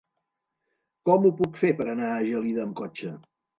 Com ho puc fer per anar a Gelida amb cotxe?